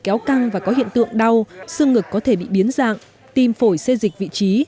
kéo căng và có hiện tượng đau xương ngực có thể bị biến dạng tim phổi xê dịch vị trí